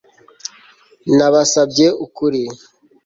Nabasabye ukuri